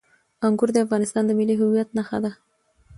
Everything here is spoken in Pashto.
انګور د افغانستان د ملي هویت نښه ده.